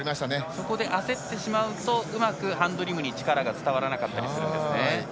そこで焦ってしまうとうまくハンドリングに力が伝わらなかったりするんですね。